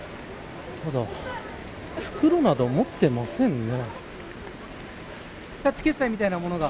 ただ、袋など持っていませんね。